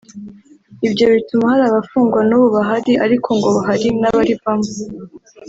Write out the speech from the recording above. Ibyo bituma hari abafungwa n’ubu bahari ariko ngo hari n’abarivamo